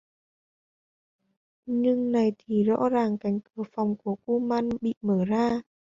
Nhưng này thì rõ ràng cánh cửa phòng của kuman bị mở ra